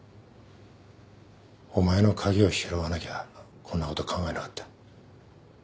お前の鍵を拾わなきゃこんなこと考えなかった。